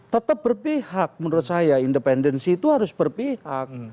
tetap berpihak menurut saya independensi itu harus berpihak